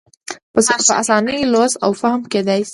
په اسانه لوستی او فهم کېدای شي.